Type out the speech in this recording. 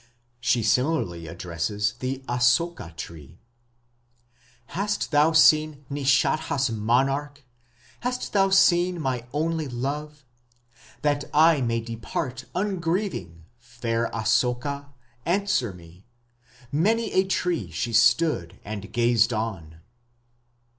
She similarly addresses the Asoka tree: "Hast thou seen Nishadha's monarch, hast thou seen my only love?... That I may depart ungrieving, fair Asoka, answer me...." Many a tree she stood and gazed on....